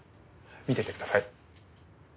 見ててください。